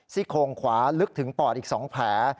โคงขวาลึกถึงปอดอีก๒แผล